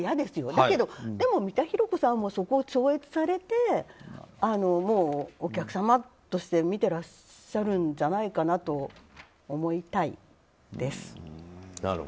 だけど、三田寛子さんはそこを超越されてもう、お客様として見ていらっしゃるんじゃないかなと思いたいです。